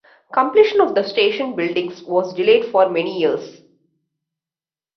Completion of the station buildings was delayed for many years.